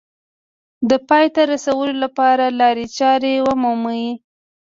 د پای ته رسولو لپاره لارې چارې ومومي